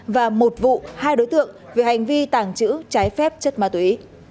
và một vụ hai đối tượng về hành vi tàng trữ trái phép chất ma túy